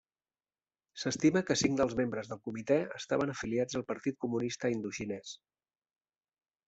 S'estima que cinc dels membres del comitè estaven afiliats al Partit Comunista Indoxinès.